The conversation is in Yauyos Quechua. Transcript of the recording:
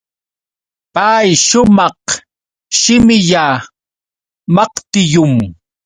Pay shumaq shimilla maqtillum.